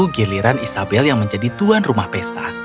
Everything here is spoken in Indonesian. giliran isabel yang menjadi tuan rumah pesta